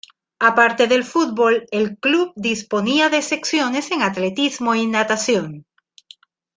A parte del fútbol, el club disponía de secciones en atletismo y natación.